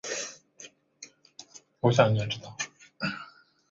一部分余部逃往镇江加入太平天国。